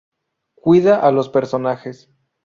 Cuida a los personajes.